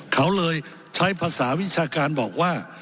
เขาเลยใช้ภาษาวิชาการบอกว่า